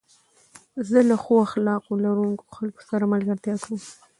زه له ښو اخلاق لرونکو خلکو سره ملګرتيا کوم.